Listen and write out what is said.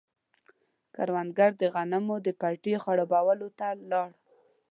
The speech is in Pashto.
کروندګر د غنمو د پټي خړوبولو ته لاړ.